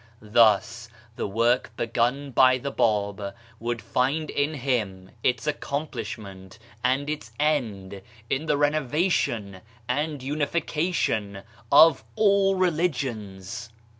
Thus, the work begun by the Bab would find in him its accomplish ment and its end in the renovation and unification of all religions